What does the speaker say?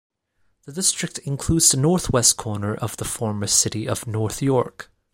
The district includes the northwest corner of the former city of North York.